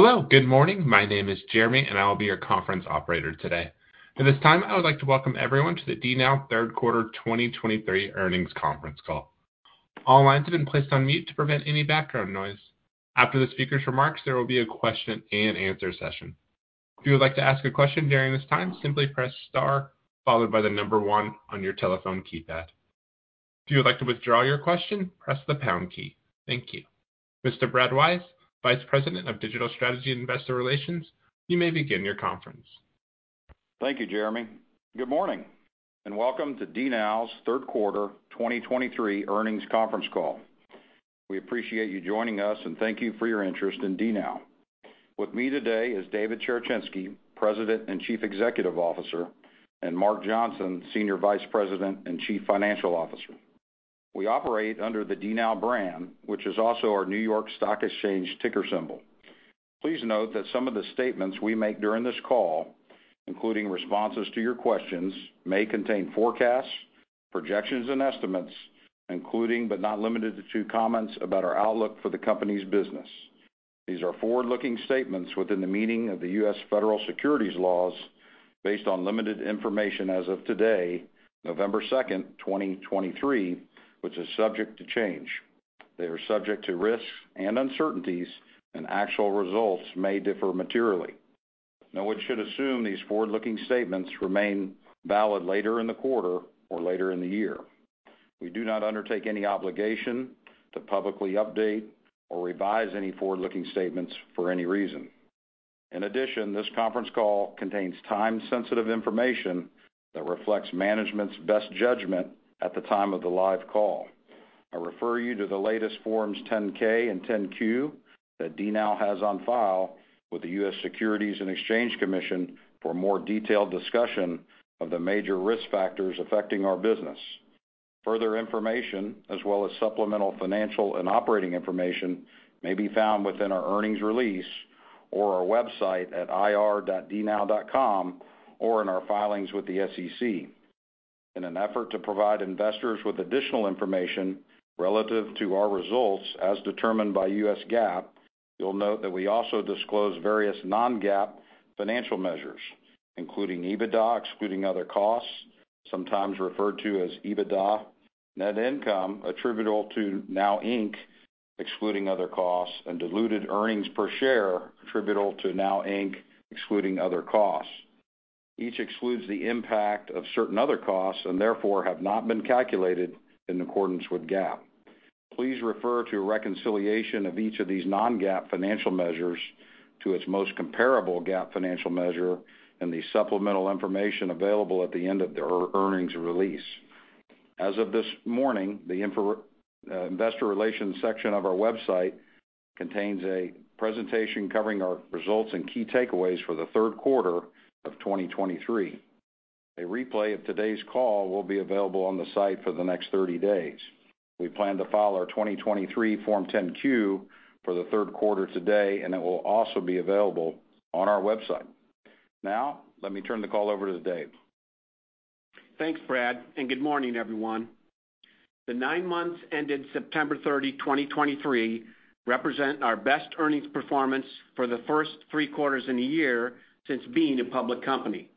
Hello, good morning. My name is Jeremy, and I will be your conference operator today. At this time, I would like to welcome everyone to the DNOW Q3 2023 Earnings Conference Call. All lines have been placed on mute to prevent any background noise. After the speaker's remarks, there will be a question-and-answer session. If you would like to ask a question during this time, simply press star followed by the number one on your telephone keypad. If you would like to withdraw your question, press the pound key. Thank you. Mr. Brad Wise, Vice President of Digital Strategy and Investor Relations, you may begin your conference. Thank you, Jeremy. Good morning, and welcome to DNOW's Q3 2023 Earnings Conference Call. We appreciate you joining us, and thank you for your interest in DNOW. With me today is David Cherechinsky, President and Chief Executive Officer, and Mark Johnson, Senior Vice President and Chief Financial Officer. We operate under the DNOW brand, which is also our New York Stock Exchange ticker symbol. Please note that some of the statements we make during this call, including responses to your questions, may contain forecasts, projections, and estimates, including, but not limited to, comments about our outlook for the company's business. These are forward-looking statements within the meaning of the U.S. Federal securities laws based on limited information as of today, 2 November 2023, which is subject to change. They are subject to risks and uncertainties, and actual results may differ materially. No one should assume these forward-looking statements remain valid later in the quarter or later in the year. We do not undertake any obligation to publicly update or revise any forward-looking statements for any reason. In addition, this conference call contains time-sensitive information that reflects management's best judgment at the time of the live call. I refer you to the latest Forms 10-K and 10-Q that DNOW has on file with the U.S. Securities and Exchange Commission for a more detailed discussion of the major risk factors affecting our business. Further information, as well as supplemental financial and operating information, may be found within our earnings release or our website at ir.dnow.com, or in our filings with the SEC. In an effort to provide investors with additional information relative to our results, as determined by U.S. GAAP, you'll note that we also disclose various non-GAAP financial measures, including EBITDA, excluding other costs, sometimes referred to as EBITDA, net income attributable to NOW Inc., excluding other costs, and diluted earnings per share attributable to NOW Inc., excluding other costs. Each excludes the impact of certain other costs and therefore have not been calculated in accordance with GAAP. Please refer to a reconciliation of each of these non-GAAP financial measures to its most comparable GAAP financial measure and the supplemental information available at the end of the earnings release. As of this morning, the information, investor relations section of our website contains a presentation covering our results and key takeaways for the Q3 of 2023. A replay of today's call will be available on the site for the next 30 days. We plan to file our 2023 Form 10-Q for the Q3 today, and it will also be available on our website. Now, let me turn the call over to Dave. Thanks, Brad, and good morning, everyone. The nine months ended 30 September 2023, represent our best earnings performance for the first three quarters in a year since being a public company.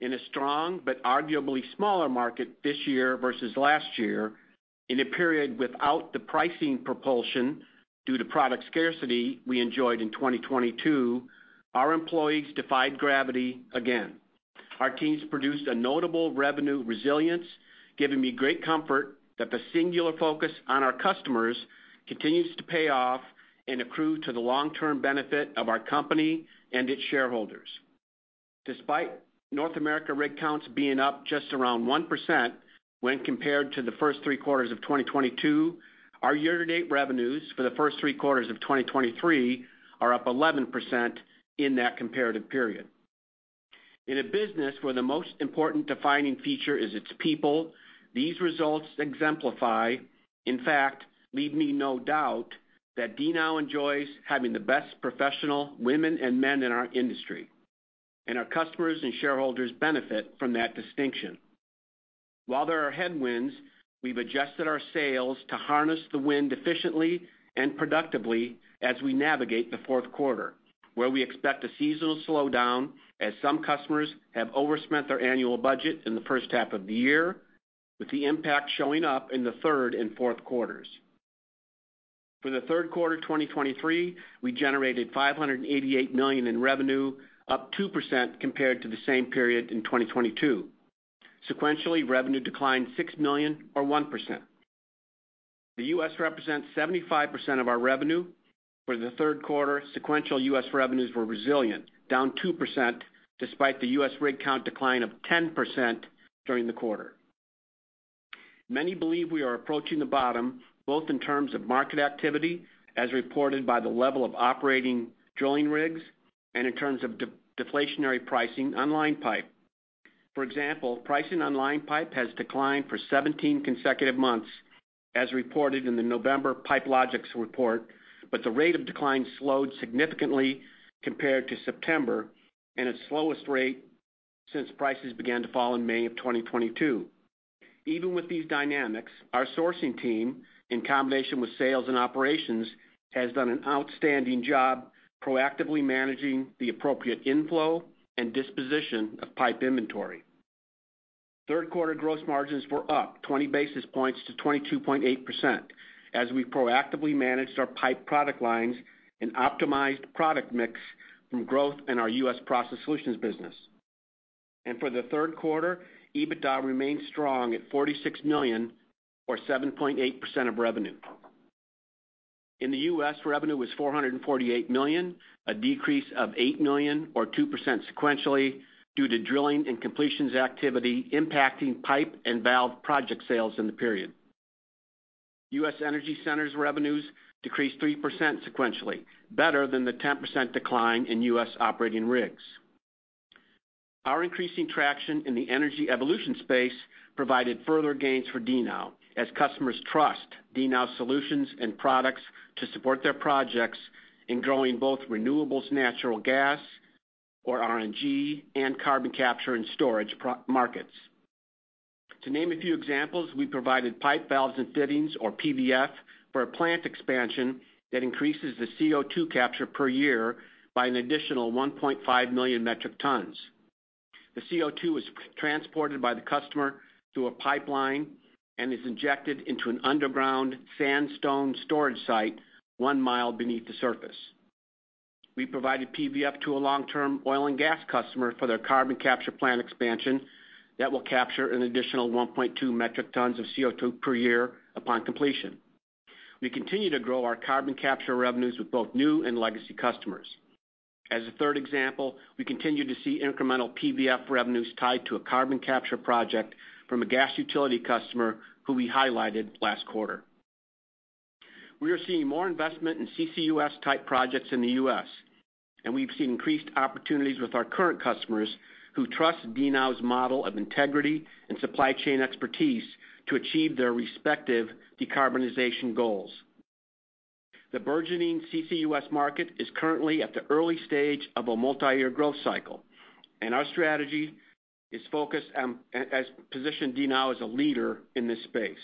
In a strong but arguably smaller market this year versus last year, in a period without the pricing propulsion due to product scarcity we enjoyed in 2022, our employees defied gravity again. Our teams produced a notable revenue resilience, giving me great comfort that the singular focus on our customers continues to pay off and accrue to the long-term benefit of our company and its shareholders. Despite North America rig counts being up just around 1% when compared to the first three quarters of 2022, our year-to-date revenues for the first three quarters of 2023 are up 11% in that comparative period. In a business where the most important defining feature is its people, these results exemplify, in fact, leave me no doubt that DNOW enjoys having the best professional women and men in our industry, and our customers and shareholders benefit from that distinction. While there are headwinds, we've adjusted our sails to harness the wind efficiently and productively as we navigate the Q4, where we expect a seasonal slowdown as some customers have overspent their annual budget in the H1 of the year, with the impact showing up in the third and Q4s. For the Q3 of 2023, we generated $588 million in revenue, up 2% compared to the same period in 2022. Sequentially, revenue declined $6 million or 1%. The U.S. represents 75% of our revenue. For the Q3, sequential U.S. revenues were resilient, down 2%, despite the U.S. rig count decline of 10% during the quarter. Many believe we are approaching the bottom, both in terms of market activity, as reported by the level of operating drilling rigs, and in terms of deflationary pricing on line pipe. For example, pricing on line pipe has declined for 17 consecutive months, as reported in the November PipeLogix report, but the rate of decline slowed significantly compared to September and its slowest rate since prices began to fall in May of 2022. Even with these dynamics, our sourcing team, in combination with sales and operations, has done an outstanding job proactively managing the appropriate inflow and disposition of pipe inventory. Q3 gross margins were up 20 basis points to 22.8%, as we proactively managed our pipe product lines and optimized product mix from growth in our U.S. Process Solutions business. For the Q3, EBITDA remained strong at $46 million, or 7.8% of revenue. In the U.S., revenue was $448 million, a decrease of $8 million or 2% sequentially, due to drilling and completions activity impacting pipe and valve project sales in the period. U.S. Energy Centers revenues decreased 3% sequentially, better than the 10% decline in U.S. operating rigs. Our increasing traction in the energy evolution space provided further gains for DNOW, as customers trust DNOW's solutions and products to support their projects in growing both renewables, natural gas or RNG, and carbon capture and storage pro- markets. To name a few examples, we provided pipe, valves, and fittings, or PVF, for a plant expansion that increases the CO₂ capture per year by an additional 1.5 million metric tons. The CO₂ is transported by the customer through a pipeline and is injected into an underground sandstone storage site one mile beneath the surface. We provided PVF to a long-term oil and gas customer for their carbon capture plant expansion that will capture an additional 1.2 metric tons of CO₂ per year upon completion. We continue to grow our carbon capture revenues with both new and legacy customers. As a third example, we continue to see incremental PVF revenues tied to a carbon capture project from a gas utility customer who we highlighted last quarter. We are seeing more investment in CCUS-type projects in the U.S., and we've seen increased opportunities with our current customers, who trust DNOW's model of integrity and supply chain expertise to achieve their respective decarbonization goals. The burgeoning CCUS market is currently at the early stage of a multiyear growth cycle, and our strategy is focused positions DNOW as a leader in this space.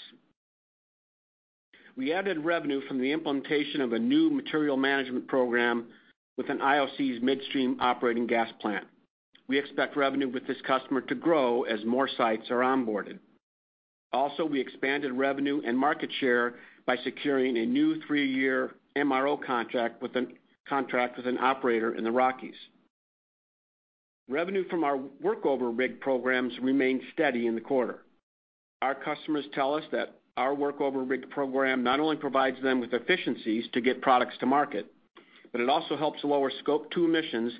We added revenue from the implementation of a new material management program with an IOC's midstream operating gas plant. We expect revenue with this customer to grow as more sites are onboarded. Also, we expanded revenue and market share by securing a new three-year MRO contract with an operator in the Rockies. Revenue from our workover rig programs remained steady in the quarter. Our customers tell us that our workover rig program not only provides them with efficiencies to get products to market, but it also helps lower scope 2 emissions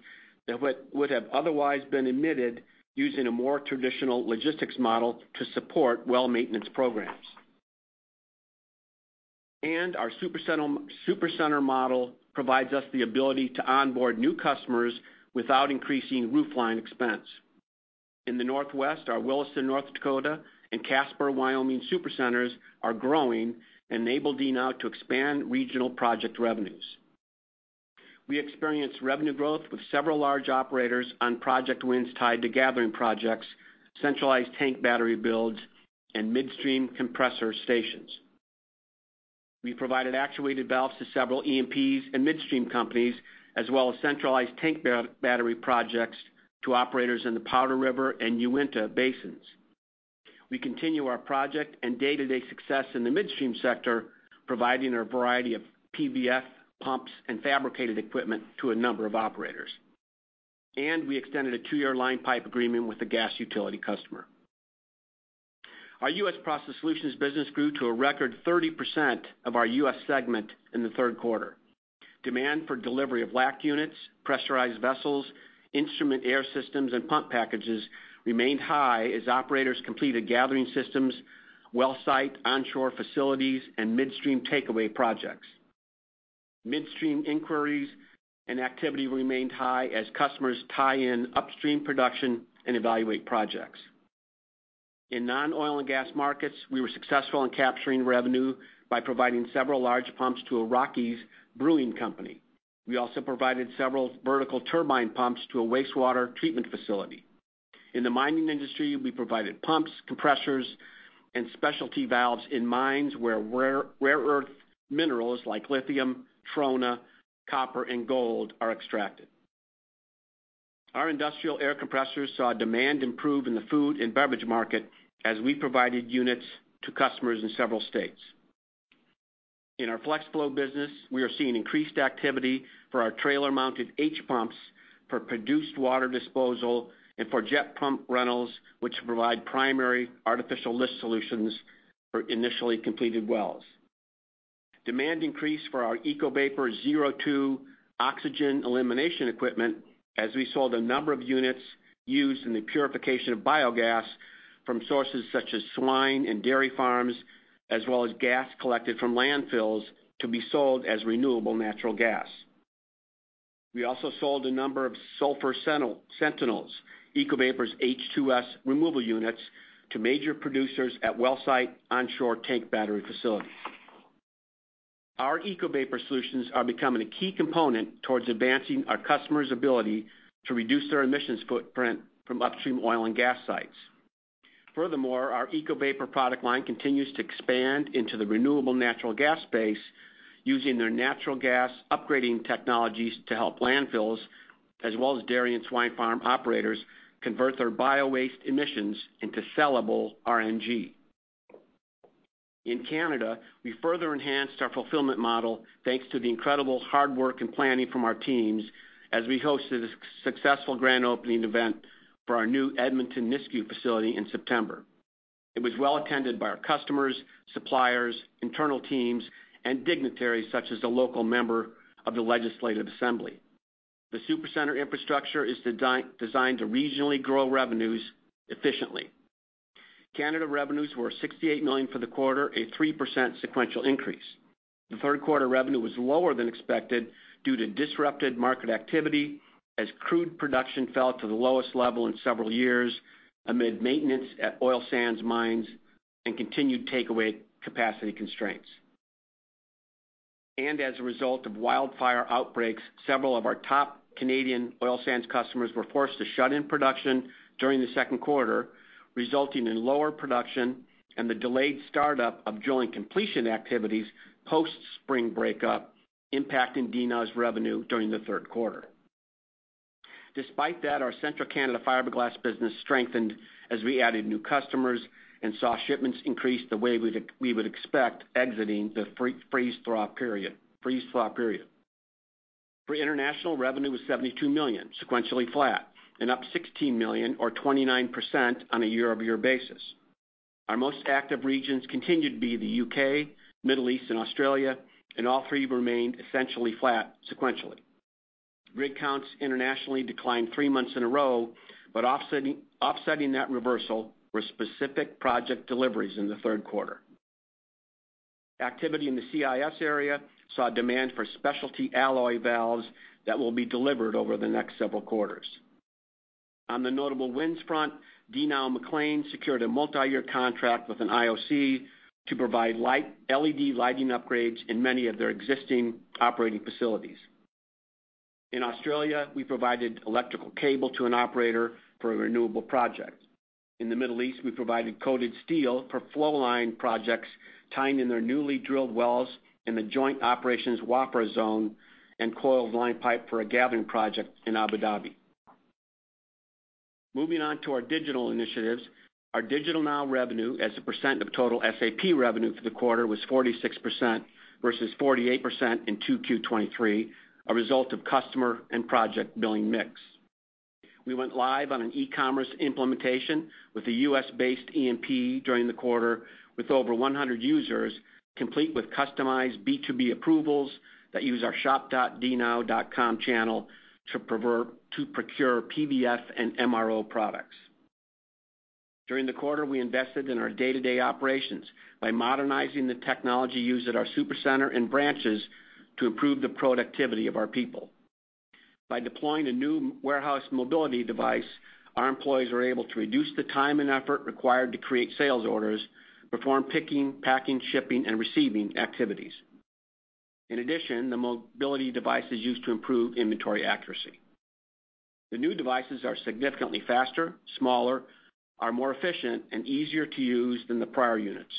that would have otherwise been emitted using a more traditional logistics model to support well maintenance programs. Our supercenter model provides us the ability to onboard new customers without increasing roofline expense. In the Northwest, our Williston, North Dakota, and Casper, Wyoming supercenters are growing and enable DNOW to expand regional project revenues. We experienced revenue growth with several large operators on project wins tied to gathering projects, centralized tank battery builds, and midstream compressor stations. We provided actuated valves to several EMPs and midstream companies, as well as centralized tank battery projects to operators in the Powder River and Uinta Basins. We continue our project and day-to-day success in the midstream sector, providing a variety of PVF, pumps, and fabricated equipment to a number of operators. We extended a two-year line pipe agreement with a gas utility customer. Our U.S. Process Solutions business grew to a record 30% of our U.S. segment in the Q3. Demand for delivery of LACT units, pressurized vessels, instrument air systems, and pump packages remained high as operators completed gathering systems, well site, onshore facilities, and midstream takeaway projects. Midstream inquiries and activity remained high as customers tie in upstream production and evaluate projects. In non-oil and gas markets, we were successful in capturing revenue by providing several large pumps to a Rockies brewing company. We also provided several vertical turbine pumps to a wastewater treatment facility. In the mining industry, we provided pumps, compressors, and specialty valves in mines where rare earth minerals like lithium, trona, copper, and gold are extracted. Our industrial air compressors saw demand improve in the food and beverage market as we provided units to customers in several states. In our FlexFlow business, we are seeing increased activity for our trailer-mounted H-pumps for produced water disposal and for jet pump rentals, which provide primary artificial lift solutions for initially completed wells. Demand increased for our EcoVapor ZerO2 oxygen elimination equipment, as we sold a number of units used in the purification of biogas from sources such as swine and dairy farms, as well as gas collected from landfills to be sold as renewable natural gas. We also sold a number of Sulfur Sentinels, EcoVapor's H₂S removal units, to major producers at well site onshore tank battery facilities. Our EcoVapor solutions are becoming a key component towards advancing our customers' ability to reduce their emissions footprint from upstream oil and gas sites. Furthermore, our EcoVapor product line continues to expand into the renewable natural gas space, using their natural gas upgrading technologies to help landfills, as well as dairy and swine farm operators, convert their biowaste emissions into sellable RNG. In Canada, we further enhanced our fulfillment model, thanks to the incredible hard work and planning from our teams, as we hosted a successful grand opening event for our new Edmonton Nisku facility in September. It was well attended by our customers, suppliers, internal teams, and dignitaries, such as the local member of the Legislative Assembly. The supercenter infrastructure is designed to regionally grow revenues efficiently. Canada revenues were $68 million for the quarter, a 3% sequential increase. The Q3 revenue was lower than expected due to disrupted market activity, as crude production fell to the lowest level in several years, amid maintenance at oil sands mines and continued takeaway capacity constraints. As a result of wildfire outbreaks, several of our top Canadian oil sands customers were forced to shut in production during the Q2, resulting in lower production and the delayed startup of joint completion activities post-spring breakup, impacting DNOW's revenue during the Q3. Despite that, our Central Canada fiberglass business strengthened as we added new customers and saw shipments increase the way we would, we would expect exiting the freeze-thaw period. For international, revenue was $72 million, sequentially flat, and up $16 million or 29% on a year-over-year basis. Our most active regions continued to be the U.K., Middle East, and Australia, and all three remained essentially flat sequentially. Rig counts internationally declined 3 months in a row, but offsetting that reversal were specific project deliveries in the Q3. Activity in the CIS area saw a demand for specialty alloy valves that will be delivered over the next several quarters. On the notable wins front, DNOW MacLean secured a multi-year contract with an IOC to provide light LED lighting upgrades in many of their existing operating facilities. In Australia, we provided electrical cable to an operator for a renewable project. In the Middle East, we provided coated steel for flow line projects, tying in their newly drilled wells in the joint operations Wafra Zone and coiled line pipe for a gathering project in Abu Dhabi. Moving on to our digital initiatives. Our DigitalNOW revenue, as a percent of total SAP revenue for the quarter, was 46% versus 48% in Q2 2023, a result of customer and project billing mix. We went live on an e-commerce implementation with a U.S.-based EMP during the quarter, with over 100 users, complete with customized B2B approvals that use our shop.dnow.com channel to procure PVF and MRO products. During the quarter, we invested in our day-to-day operations by modernizing the technology used at our supercenter and branches to improve the productivity of our people. By deploying a new warehouse mobility device, our employees are able to reduce the time and effort required to create sales orders, perform picking, packing, shipping, and receiving activities. In addition, the mobility device is used to improve inventory accuracy. The new devices are significantly faster, smaller, are more efficient, and easier to use than the prior units.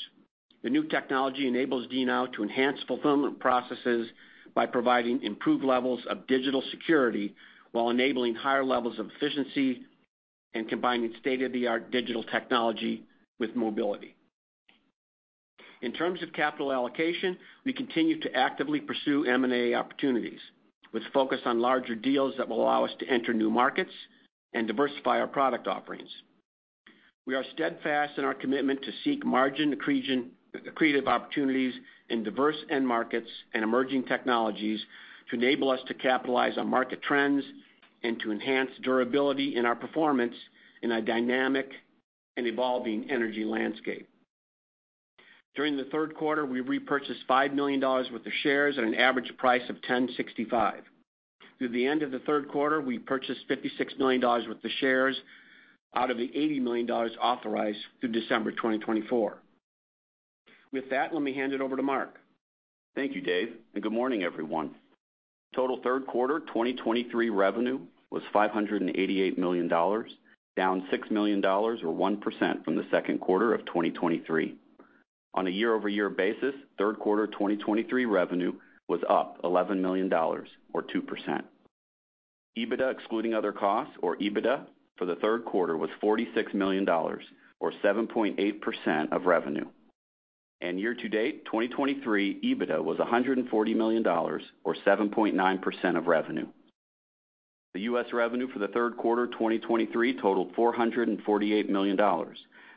The new technology enables DNOW to enhance fulfillment processes by providing improved levels of digital security, while enabling higher levels of efficiency and combining state-of-the-art digital technology with mobility. In terms of capital allocation, we continue to actively pursue M&A opportunities, with focus on larger deals that will allow us to enter new markets and diversify our product offerings. We are steadfast in our commitment to seek margin accretion, accretive opportunities in diverse end markets and emerging technologies to enable us to capitalize on market trends and to enhance durability in our performance in a dynamic and evolving energy landscape. During the Q3, we repurchased $5 million worth of shares at an average price of $10.65. Through the end of the Q3, we purchased $56 million worth of shares out of the $80 million authorized through December 2024. With that, let me hand it over to Mark. Thank you, Dave, and good morning, everyone. Total Q3 2023 revenue was $588 million, down $6 million or 1% from the Q2 of 2023. On a year-over-year basis, Q3 2023 revenue was up $11 million or 2%. EBITDA, excluding other costs, or EBITDA for the Q3, was $46 million or 7.8% of revenue. Year-to-date, 2023 EBITDA was $140 million or 7.9% of revenue. The U.S. revenue for the Q3 2023 totaled $448 million,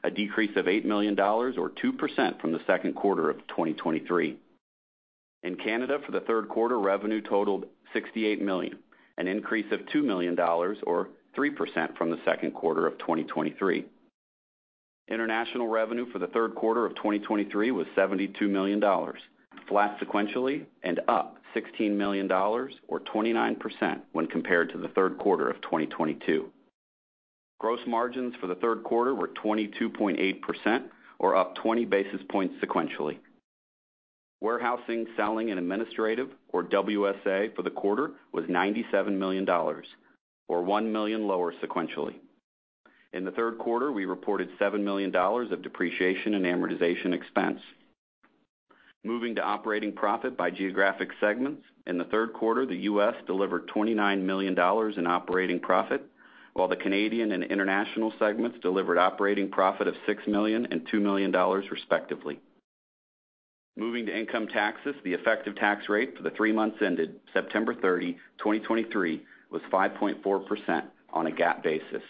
a decrease of $8 million or 2% from the Q2 of 2023. In Canada, for the Q3, revenue totaled $68 million, an increase of $2 million or 3% from the Q2 of 2023. International revenue for the Q3 of 2023 was $72 million, flat sequentially and up $16 million or 29% when compared to the Q3 of 2022. Gross margins for the Q3 were 22.8%, or up 20 basis points sequentially. Warehousing, selling, and administrative, or WSA, for the quarter was $97 million, or $1 million lower sequentially. In the Q3, we reported $7 million of depreciation and amortization expense. Moving to operating profit by geographic segments. In the Q3, the U.S. delivered $29 million in operating profit, while the Canadian and international segments delivered operating profit of $6 million and $2 million, respectively. Moving to income taxes, the effective tax rate for the three months ended September 30, 2023, was 5.4% on a GAAP basis.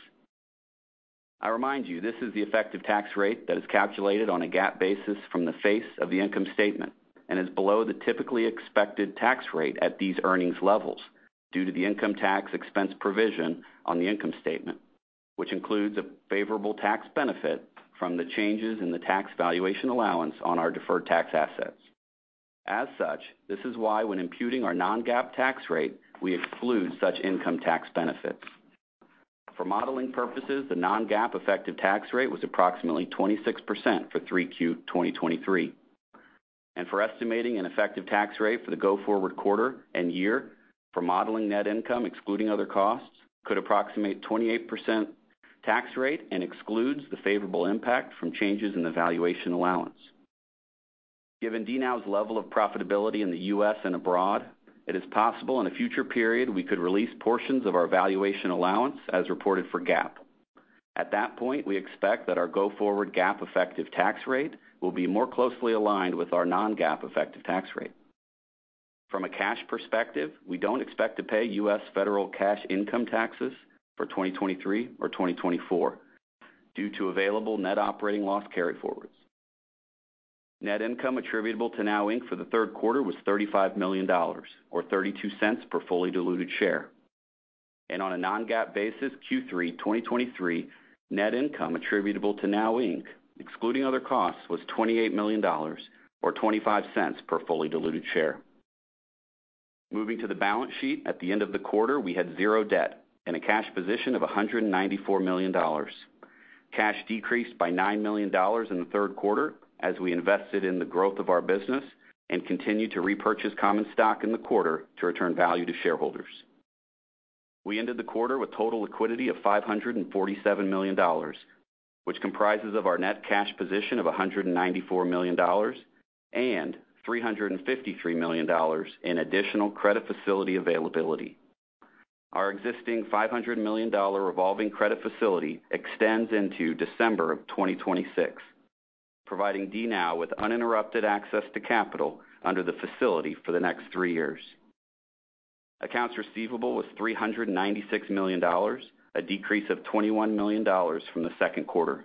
I remind you, this is the effective tax rate that is calculated on a GAAP basis from the face of the income statement and is below the typically expected tax rate at these earnings levels due to the income tax expense provision on the income statement, which includes a favorable tax benefit from the changes in the tax valuation allowance on our deferred tax assets. As such, this is why when imputing our non-GAAP tax rate, we exclude such income tax benefits. For modeling purposes, the non-GAAP effective tax rate was approximately 26% for Q3, 2023, and for estimating an effective tax rate for the go-forward quarter and year for modeling net income, excluding other costs, could approximate 28% tax rate and excludes the favorable impact from changes in the valuation allowance. Given DNOW's level of profitability in the U.S. and abroad, it is possible in a future period we could release portions of our valuation allowance as reported for GAAP. At that point, we expect that our go-forward GAAP effective tax rate will be more closely aligned with our non-GAAP effective tax rate. From a cash perspective, we don't expect to pay U.S. federal cash income taxes for 2023 or 2024 due to available net operating loss carryforwards. Net income attributable to NOW Inc. for the Q3 was $35 million, or $0.32 per fully diluted share. On a non-GAAP basis, Q3 2023 net income attributable to NOW Inc., excluding other costs, was $28 million or $0.25 per fully diluted share. Moving to the balance sheet. At the end of the quarter, we had zero debt and a cash position of $194 million. Cash decreased by $9 million in the Q3 as we invested in the growth of our business and continued to repurchase common stock in the quarter to return value to shareholders. We ended the quarter with total liquidity of $547 million, which comprises of our net cash position of $194 million and $353 million in additional credit facility availability. Our existing $500 million revolving credit facility extends into December of 2026, providing DNOW with uninterrupted access to capital under the facility for the next three years. Accounts receivable was $396 million, a decrease of $21 million from the Q2.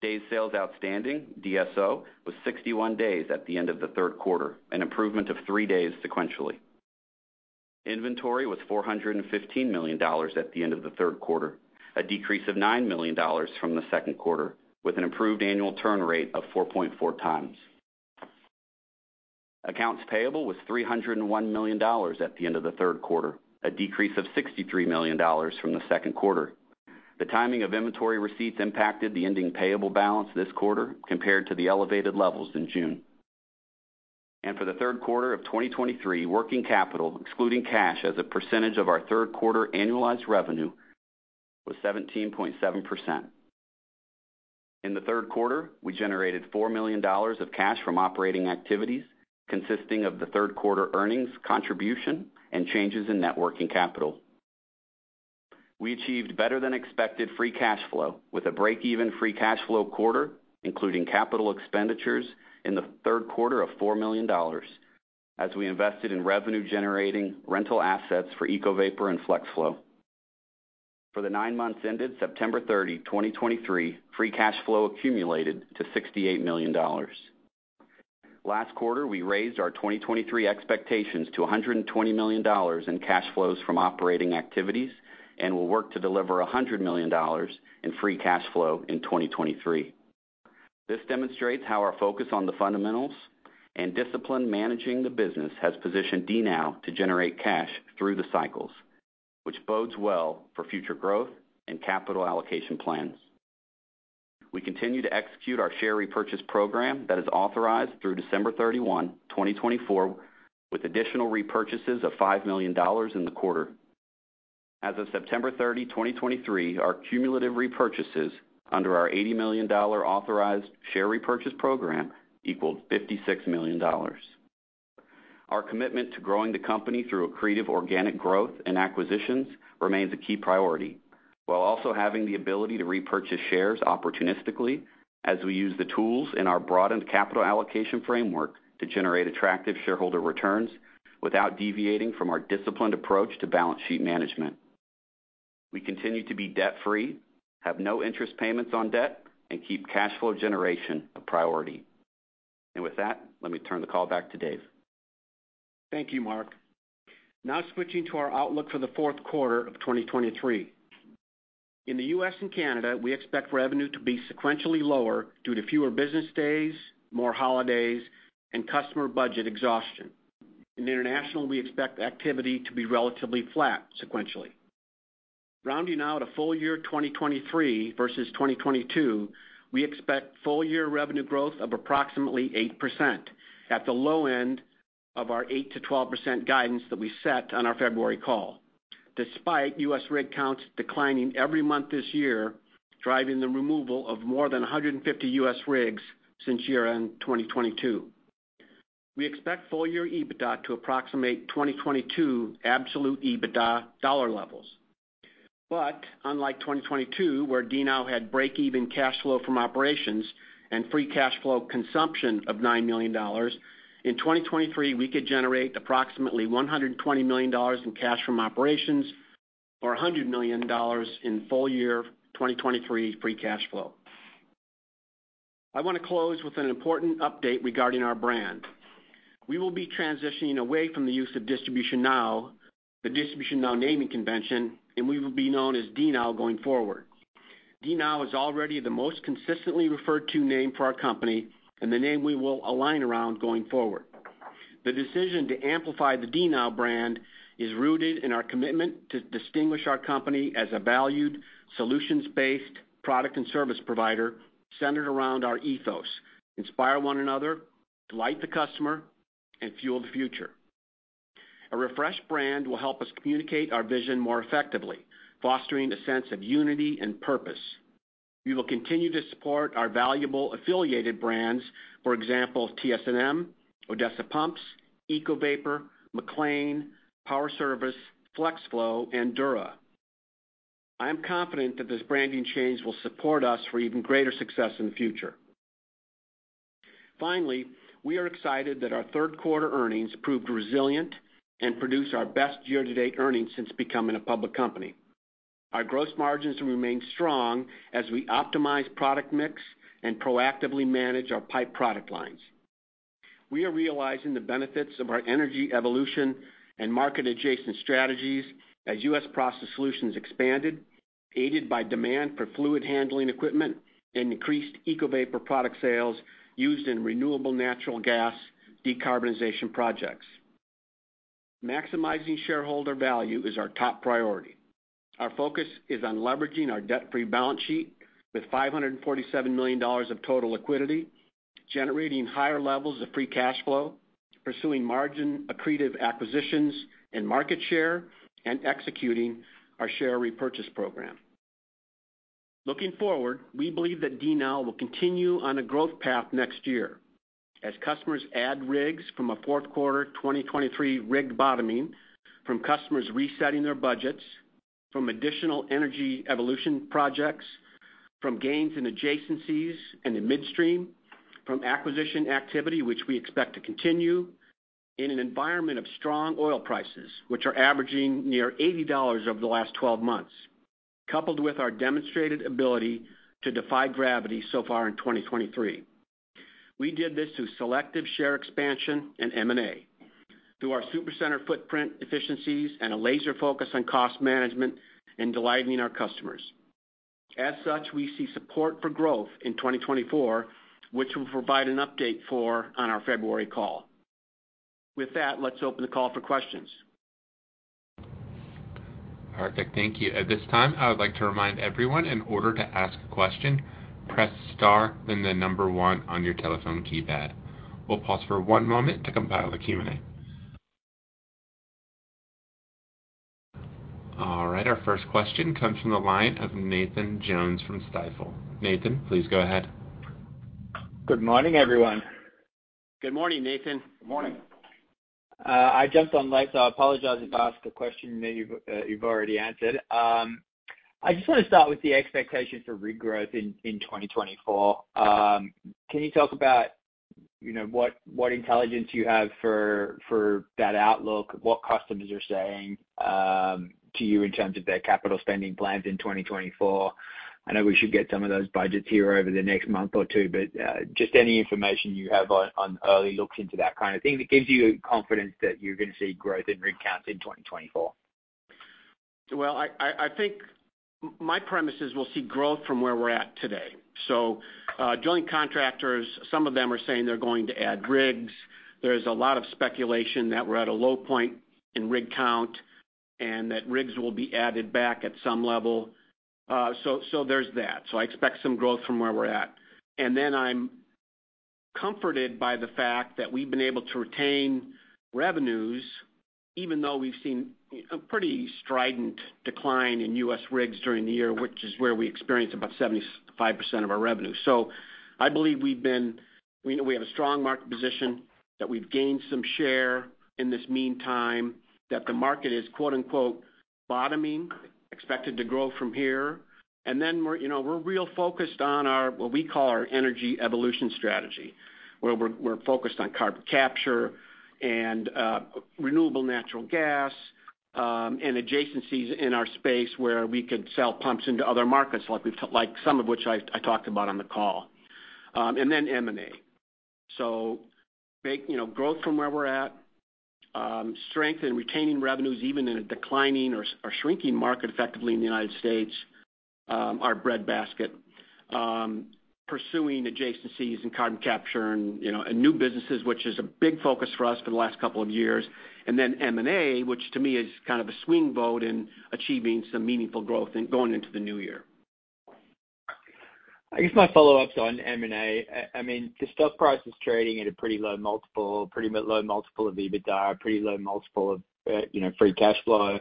Days sales outstanding, DSO, was 61 days at the end of the Q3, an improvement of three days sequentially. Inventory was $415 million at the end of the Q3, a decrease of $9 million from the Q2, with an improved annual turn rate of 4.4 times. Accounts payable was $301 million at the end of the Q3, a decrease of $63 million from the Q2. The timing of inventory receipts impacted the ending payable balance this quarter compared to the elevated levels in June. For the Q3 of 2023, working capital, excluding cash as a percentage of our Q3 annualized revenue, was 17.7%. In the Q3, we generated $4 million of cash from operating activities, consisting of the Q3 earnings contribution and changes in net working capital. We achieved better-than-expected free cash flow, with a break-even free cash flow quarter, including capital expenditures in the Q3 of $4 million, as we invested in revenue-generating rental assets for EcoVapor and FlexFlow. For the nine months ended 30 September 2023, free cash flow accumulated to $68 million. Last quarter, we raised our 2023 expectations to $120 million in cash flows from operating activities and will work to deliver $100 million in free cash flow in 2023. This demonstrates how our focus on the fundamentals and discipline managing the business has positioned DNOW to generate cash through the cycles, which bodes well for future growth and capital allocation plans. We continue to execute our share repurchase program that is authorized through December 31, 2024, with additional repurchases of $5 million in the quarter. As of 30 September 2023, our cumulative repurchases under our $80 million authorized share repurchase program equals $56 million. Our commitment to growing the company through accretive organic growth and acquisitions remains a key priority, while also having the ability to repurchase shares opportunistically as we use the tools in our broadened capital allocation framework to generate attractive shareholder returns without deviating from our disciplined approach to balance sheet management. We continue to be debt-free, have no interest payments on debt, and keep cash flow generation a priority. With that, let me turn the call back to Dave. Thank you, Mark. Now switching to our outlook for the Q4 of 2023. In the U.S. and Canada, we expect revenue to be sequentially lower due to fewer business days, more holidays, and customer budget exhaustion.... In international, we expect activity to be relatively flat sequentially. Rounding out a full year, 2023 versus 2022, we expect full year revenue growth of approximately 8% at the low end of our 8%-12% guidance that we set on our February call, despite U.S. rig counts declining every month this year, driving the removal of more than 150 U.S. rigs since year-end 2022. We expect full year EBITDA to approximate 2022 absolute EBITDA dollar levels. But unlike 2022, where DNOW had break-even cash flow from operations and free cash flow consumption of $9 million, in 2023, we could generate approximately $120 million in cash from operations or $100 million in full year 2023 free cash flow. I want to close with an important update regarding our brand. We will be transitioning away from the use of DistributionNOW, the DistributionNOW naming convention, and we will be known as DNOW going forward. DNOW is already the most consistently referred-to name for our company and the name we will align around going forward. The decision to amplify the DNOW brand is rooted in our commitment to distinguish our company as a valued, solutions-based product and service provider centered around our ethos: inspire one another, delight the customer, and fuel the future. A refreshed brand will help us communicate our vision more effectively, fostering a sense of unity and purpose. We will continue to support our valuable affiliated brands, for example, TS&M, Odessa Pumps, EcoVapor, MacLean, Power Service, FlexFlow, and Dura. I am confident that this branding change will support us for even greater success in the future. Finally, we are excited that our Q3 earnings proved resilient and produced our best year-to-date earnings since becoming a public company. Our gross margins remain strong as we optimize product mix and proactively manage our pipe product lines. We are realizing the benefits of our energy evolution and market adjacent strategies as U.S. process solutions expanded, aided by demand for fluid handling equipment and increased EcoVapor product sales used in renewable natural gas decarbonization projects. Maximizing shareholder value is our top priority. Our focus is on leveraging our debt-free balance sheet with $547 million of total liquidity, generating higher levels of free cash flow, pursuing margin accretive acquisitions and market share, and executing our share repurchase program. Looking forward, we believe that DNOW will continue on a growth path next year as customers add rigs from a Q4 2023 rig bottoming, from customers resetting their budgets, from additional energy evolution projects, from gains in adjacencies and in midstream, from acquisition activity, which we expect to continue in an environment of strong oil prices, which are averaging near $80 over the last 12 months, coupled with our demonstrated ability to defy gravity so far in 2023. We did this through selective share expansion and M&A, through our supercenter footprint efficiencies and a laser focus on cost management and delighting our customers. As such, we see support for growth in 2024, which we'll provide an update for on our February call. With that, let's open the call for questions. Perfect. Thank you. At this time, I would like to remind everyone, in order to ask a question, press star, then the number one on your telephone keypad. We'll pause for one moment to compile the Q&A. All right, our first question comes from the line of Nathan Jones from Stifel. Nathan, please go ahead. Good morning, everyone. Good morning, Nathan. Good morning. I jumped on late, so I apologize if I ask a question that you've, you've already answered. I just want to start with the expectations for regrowth in 2024. Can you talk about, you know, what, what intelligence you have for, for that outlook, what customers are saying, to you in terms of their capital spending plans in 2024? I know we should get some of those budgets here over the next month or two, but, just any information you have on, on early looks into that kind of thing that gives you confidence that you're going to see growth in rig counts in 2024. Well, I think my premise is we'll see growth from where we're at today. So, joint contractors, some of them are saying they're going to add rigs. There's a lot of speculation that we're at a low point in rig count and that rigs will be added back at some level. So there's that. So I expect some growth from where we're at. And then I'm comforted by the fact that we've been able to retain revenues, even though we've seen a pretty strident decline in U.S. rigs during the year, which is where we experience about 75% of our revenue. So I believe we have a strong market position, that we've gained some share in this meantime, that the market is, quote, unquote, "bottoming," expected to grow from here. Then we're, you know, we're real focused on our, what we call our energy evolution strategy, where we're focused on carbon capture and renewable natural gas, and adjacencies in our space where we could sell pumps into other markets like some of which I talked about on the call, and then M&A. So make, you know, growth from where we're at, strength in retaining revenues, even in a declining or shrinking market effectively in the United States, our breadbasket. Pursuing adjacencies and carbon capture and, you know, and new businesses, which is a big focus for us for the last couple of years, and then M&A, which to me is kind of a swing vote in achieving some meaningful growth in going into the new year. I guess my follow-up's on M&A. I mean, the stock price is trading at a pretty low multiple, pretty low multiple of EBITDA, pretty low multiple of, you know, free cash flow.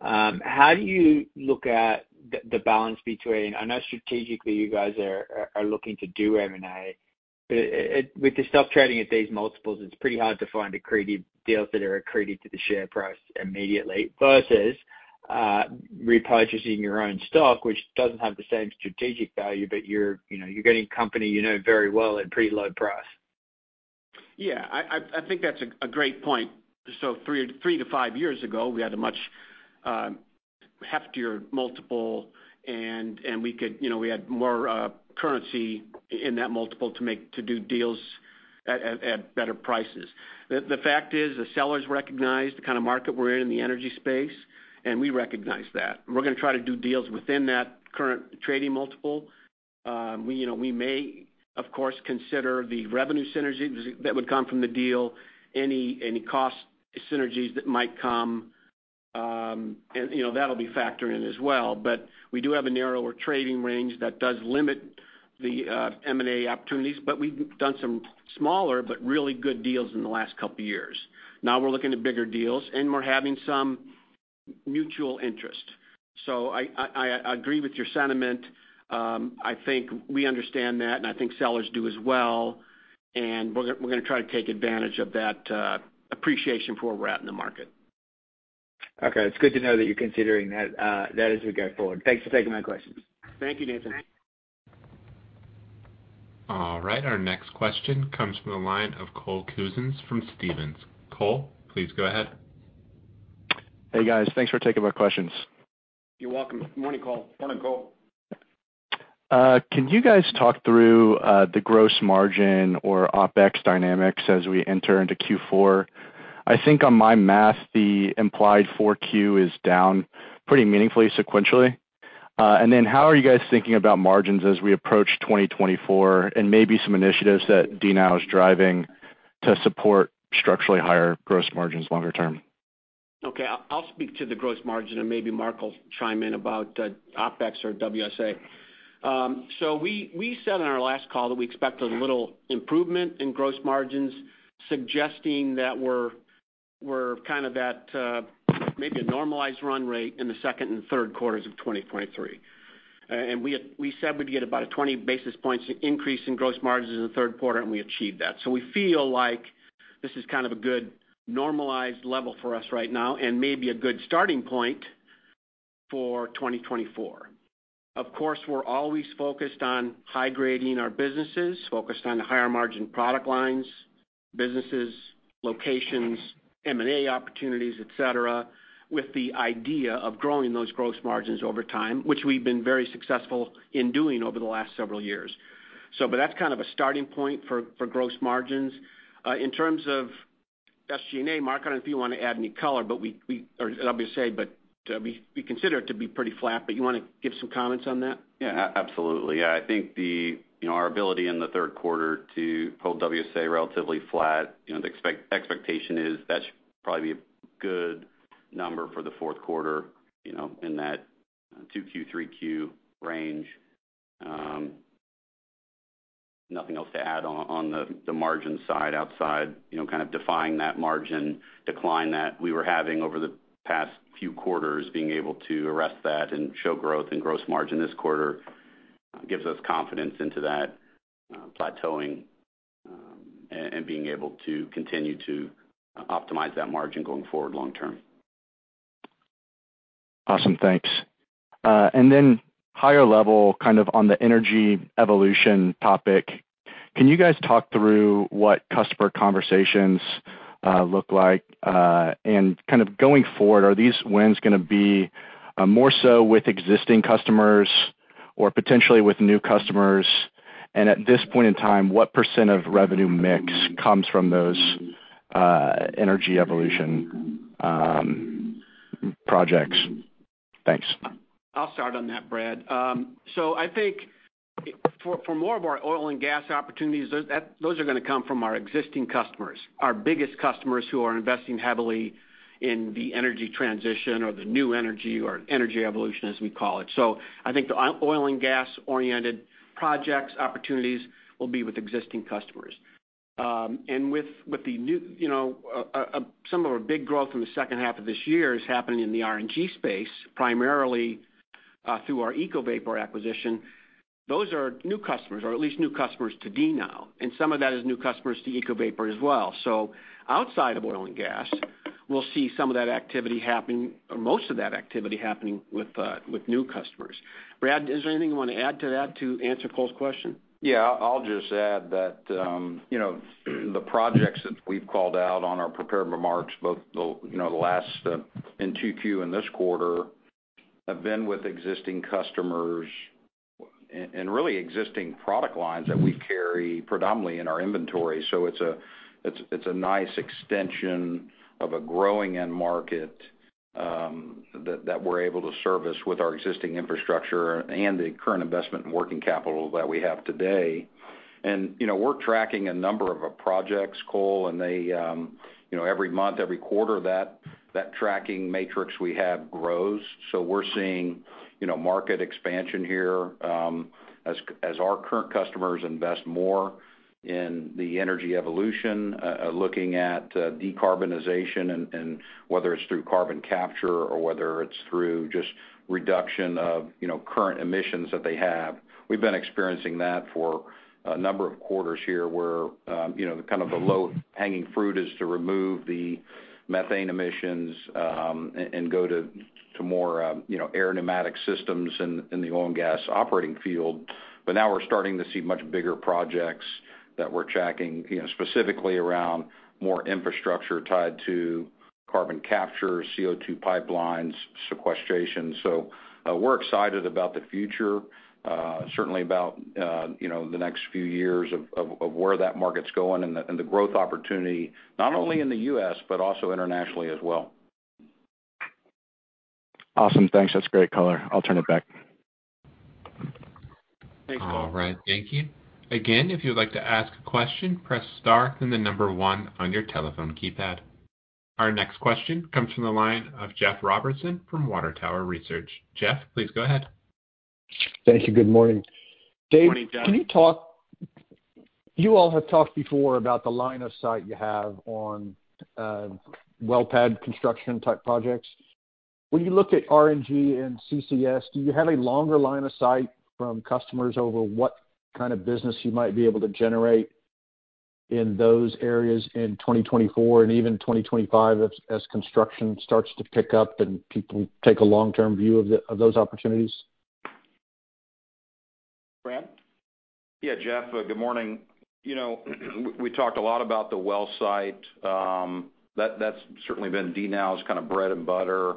How do you look at the balance between—I know strategically, you guys are looking to do M&A. With the stock trading at these multiples, it's pretty hard to find accretive deals that are accretive to the share price immediately versus, repurchasing your own stock, which doesn't have the same strategic value, but you're, you know, you're getting company you know very well at pretty low price. Yeah, I think that's a great point. So three to five years ago, we had a much heftier multiple, and we could... You know, we had more currency in that multiple to make, to do deals at better prices. The fact is, the sellers recognize the kind of market we're in in the energy space, and we recognize that. We're gonna try to do deals within that current trading multiple. You know, we may, of course, consider the revenue synergies that would come from the deal, any cost synergies that might come, and, you know, that'll be factored in as well. But we do have a narrower trading range that does limit the M&A opportunities, but we've done some smaller but really good deals in the last couple of years. Now we're looking at bigger deals, and we're having some mutual interest. So I agree with your sentiment. I think we understand that, and I think sellers do as well, and we're gonna try to take advantage of that, appreciation for where we're at in the market. Okay. It's good to know that you're considering that, that as we go forward. Thanks for taking my questions. Thank you, Nathan. All right, our next question comes from the line of Cole Cousens from Stephens. Cole, please go ahead. Hey, guys. Thanks for taking my questions. You're welcome. Good morning, Cole. Morning, Cole. Can you guys talk through the gross margin or Opex dynamics as we enter into Q4? I think on my math, the implied Q4 is down pretty meaningfully sequentially. And then how are you guys thinking about margins as we approach 2024, and maybe some initiatives that DNOW is driving to support structurally higher gross margins longer term? Okay, I'll speak to the gross margin, and maybe Mark will chime in about Opex or WSA. So we said in our last call that we expect a little improvement in gross margins, suggesting that we're kind of at maybe a normalized run rate in the Q2 and Q3s of 2023. And we said we'd get about a 20 basis points increase in gross margins in the Q3, and we achieved that. So we feel like this is kind of a good normalized level for us right now and maybe a good starting point for 2024. Of course, we're always focused on high-grading our businesses, focused on the higher-margin product lines, businesses, locations, M&A opportunities, et cetera, with the idea of growing those gross margins over time, which we've been very successful in doing over the last several years. But that's kind of a starting point for gross margins. In terms of SG&A, Mark, I don't know if you want to add any color, but we consider it to be pretty flat, but you want to give some comments on that? Yeah, absolutely. Yeah, I think the, you know, our ability in the Q3 to hold WSA relatively flat, you know, the expectation is that should probably be a good number for the Q4, you know, in that Q2, 3Q range. Nothing else to add on the margin side outside, you know, kind of defying that margin decline that we were having over the past few quarters, being able to arrest that and show growth and gross margin this quarter, gives us confidence into that plateauing, and being able to continue to optimize that margin going forward long term. Awesome. Thanks. And then higher level, kind of on the energy evolution topic, can you guys talk through what customer conversations look like? And kind of going forward, are these wins gonna be more so with existing customers or potentially with new customers? And at this point in time, what percent of revenue mix comes from those energy evolution projects? Thanks. I'll start on that, Brad. So I think for more of our oil and gas opportunities, those are gonna come from our existing customers, our biggest customers who are investing heavily in the energy transition or the new energy or energy evolution, as we call it. So I think the oil and gas-oriented projects, opportunities will be with existing customers. And with the new, you know, some of our big growth in the second half of this year is happening in the RNG space, primarily, through our EcoVapor acquisition. Those are new customers, or at least new customers to DNOW, and some of that is new customers to EcoVapor as well. So outside of oil and gas, we'll see some of that activity happening or most of that activity happening with new customers. Brad, is there anything you want to add to that to answer Cole's question? Yeah, I'll just add that, you know, the projects that we've called out on our prepared remarks, both the, you know, the last, in Q2 and this quarter, have been with existing customers.... and really existing product lines that we carry predominantly in our inventory. So it's a nice extension of a growing end market, that we're able to service with our existing infrastructure and the current investment in working capital that we have today. And, you know, we're tracking a number of our projects, Cole, and they, you know, every month, every quarter, that tracking matrix we have grows. So we're seeing, you know, market expansion here, as our current customers invest more in the energy evolution, looking at, decarbonization and whether it's through carbon capture or whether it's through just reduction of, you know, current emissions that they have. We've been experiencing that for a number of quarters here, where, you know, the kind of the low-hanging fruit is to remove the methane emissions, and, and go to, to more, you know, automated systems in, in the oil and gas operating field. But now we're starting to see much bigger projects that we're tracking, you know, specifically around more infrastructure tied to carbon capture, CO₂ pipelines, sequestration. So, we're excited about the future, certainly about, you know, the next few years of, of, of where that market's going and the, and the growth opportunity, not only in the U.S., but also internationally as well. Awesome. Thanks. That's great color. I'll turn it back. Thanks All right. Thank you. Again, if you'd like to ask a question, press star, then the number 1 on your telephone keypad. Our next question comes from the line of Jeff Robertson from Water Tower Research. Jeff, please go ahead. Thank you. Good morning. Good morning, Jeff. Dave, can you talk— You all have talked before about the line of sight you have on well pad construction type projects. When you look at RNG and CCS, do you have a longer line of sight from customers over what kind of business you might be able to generate in those areas in 2024 and even 2025 as, as construction starts to pick up, and people take a long-term view of the, of those opportunities? Brad? Yeah, Jeff, good morning. You know, we talked a lot about the well site. That's certainly been DNOW's kind of bread and butter.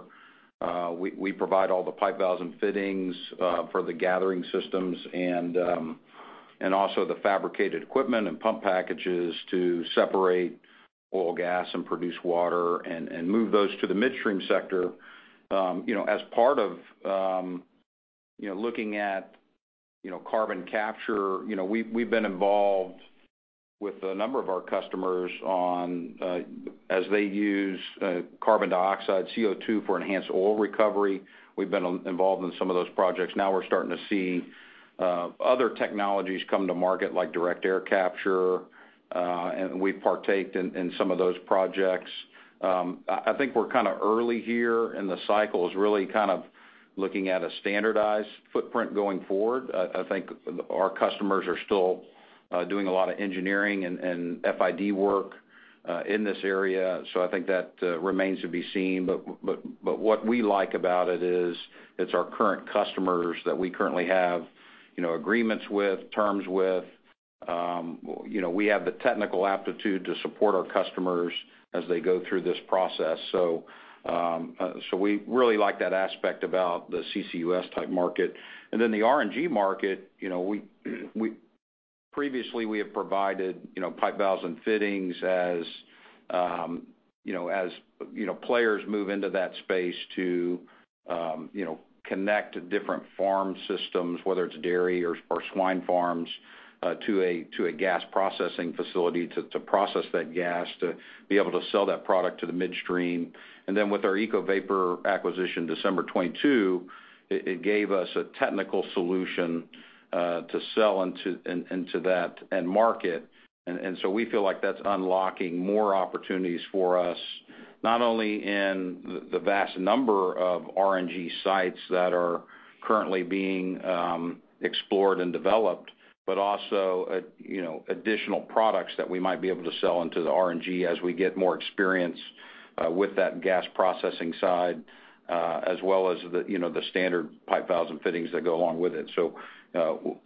We provide all the pipe valves and fittings for the gathering systems and also the fabricated equipment and pump packages to separate oil, gas, and produce water and move those to the midstream sector. You know, as part of you know, looking at you know, carbon capture, you know, we've been involved with a number of our customers on as they use carbon dioxide, CO₂, for enhanced oil recovery. We've been involved in some of those projects. Now we're starting to see other technologies come to market, like direct air capture, and we've partaken in some of those projects. I think we're kinda early here, and the cycle is really kind of looking at a standardized footprint going forward. I think our customers are still doing a lot of engineering and FID work in this area, so I think that remains to be seen. But what we like about it is, it's our current customers that we currently have, you know, agreements with, terms with, you know, we have the technical aptitude to support our customers as they go through this process. So we really like that aspect about the CCUS-type market. And then the RNG market, you know, we, we... Previously, we have provided, you know, pipe valves and fittings as, you know, as players move into that space to, you know, connect different farm systems, whether it's dairy or swine farms to a gas processing facility, to process that gas, to be able to sell that product to the midstream. And then with our EcoVapor acquisition, December 2022, it gave us a technical solution to sell into that end market. So we feel like that's unlocking more opportunities for us, not only in the vast number of RNG sites that are currently being explored and developed, but also, you know, additional products that we might be able to sell into the RNG as we get more experience with that gas processing side, as well as the, you know, the standard pipe valves and fittings that go along with it. So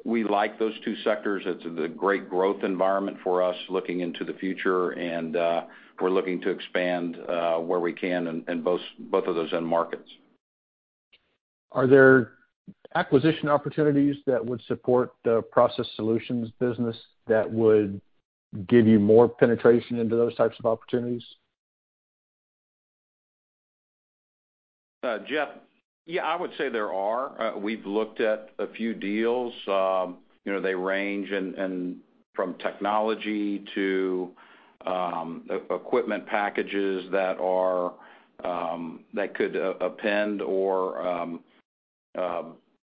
we like those two sectors. It's a great growth environment for us, looking into the future, and we're looking to expand where we can in both of those end markets. Are there acquisition opportunities that would support the process solutions business, that would give you more penetration into those types of opportunities? Jeff. Yeah, I would say there are. We've looked at a few deals. You know, they range in from technology to equipment packages that are that could append or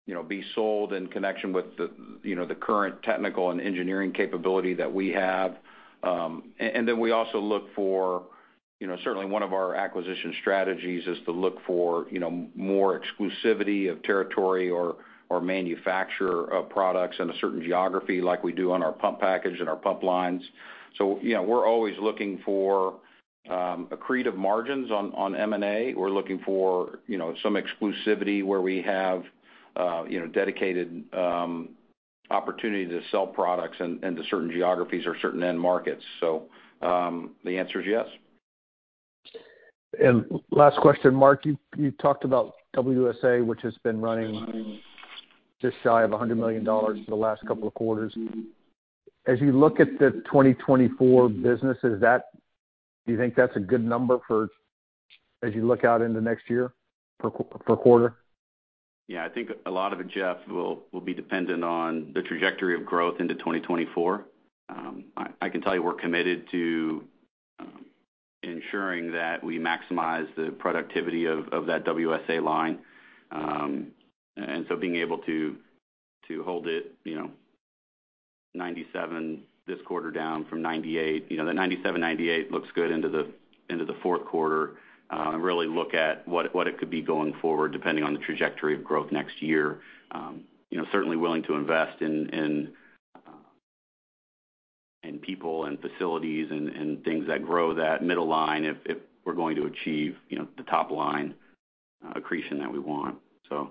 you know, be sold in connection with the you know, the current technical and engineering capability that we have. And then we also look for you know, certainly one of our acquisition strategies is to look for you know, more exclusivity of territory or manufacturer of products in a certain geography, like we do on our pump package and our pump lines. So, you know, we're always looking for accretive margins on M&A. We're looking for you know, some exclusivity where we have you know, dedicated opportunity to sell products into certain geographies or certain end markets. So, the answer is yes. Last question, Mark. You, you talked about WSA, which has been running just shy of $100 million for the last couple of quarters. As you look at the 2024 business, is that—do you think that's a good number for, as you look out into next year, per quarter? Yeah, I think a lot of it, Jeff, will be dependent on the trajectory of growth into 2024. I can tell you, we're committed to ensuring that we maximize the productivity of that WSA line. And so being able to hold it, you know, 97% this quarter, down from 98%, you know, the 97%-98% looks good into the Q4. And really look at what it could be going forward, depending on the trajectory of growth next year. You know, certainly willing to invest in people and facilities and things that grow that middle line, if we're going to achieve, you know, the top line accretion that we want. So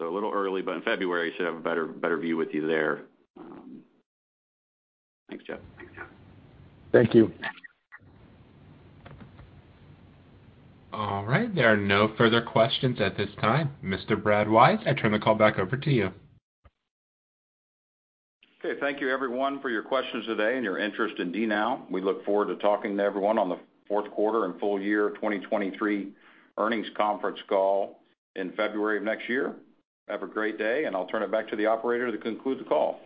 a little early, but in February, should have a better view with you there. Thanks, Jeff. Thank you. All right. There are no further questions at this time. Mr. Brad Wise, I turn the call back over to you. Okay. Thank you, everyone, for your questions today and your interest in DNOW. We look forward to talking to everyone on the Q4 and full year 2023 earnings conference call in February of next year. Have a great day, and I'll turn it back to the operator to conclude the call.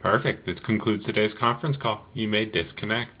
Perfect. This concludes today's conference call. You may disconnect.